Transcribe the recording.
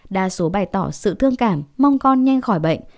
đa số bày tỏ sự thương cảm mong con nhanh khỏi bệnh